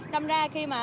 đâm ra khi mà